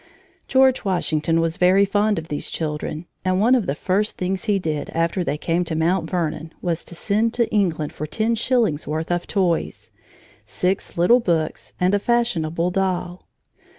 George Washington was very fond of these children, and one of the first things he did after they came to Mount Vernon was to send to England for ten shillings' worth of toys, six little books, and a fashionable doll.